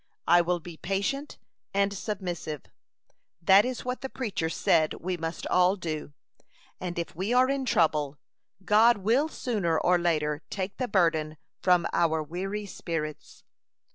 I will be patient and submissive that is what the preacher said we must all do; and if we are in trouble, God will sooner or later take the burden from our weary spirits.